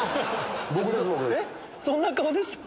僕ですよ！